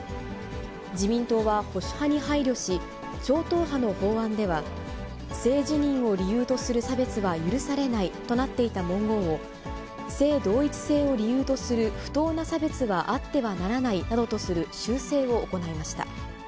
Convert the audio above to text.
自民党は保守派に配慮し、超党派の法案では、性自認を理由とする差別は許されないとなっていた文言を、性同一性を理由とする不当な差別はあってはならないなどとする修正を行いました。